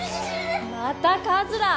またカズラー！